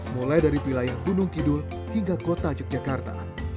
mulai dari wilayah gunung kidul hingga kota yogyakarta